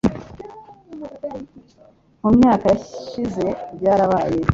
Mu myaka yashize byarabaye